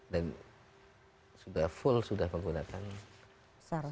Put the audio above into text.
dan sudah full sudah menggunakan sarung